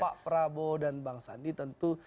pak prabowo dan bang sandi tentu